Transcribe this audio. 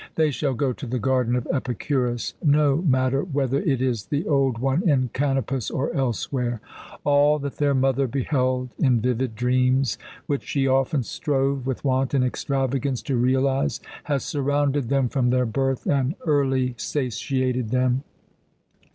They shall go to the garden of Epicurus, no matter whether it is the old one in Kanopus or elsewhere. All that their mother beheld in vivid dreams, which she often strove with wanton extravagance to realize, has surrounded them from their birth and early satiated them.